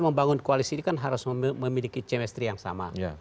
membangun koalisi ini kan harus memiliki chemistry yang sama